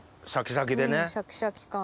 シャキシャキ感。